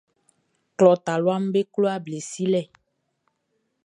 Klɔ taluaʼm be klo able silɛ.